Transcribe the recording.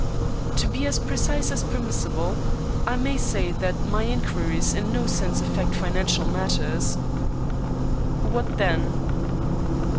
"To be as precise as permissible, I may say that my inquiries in no sense affect financial matters." "What then?"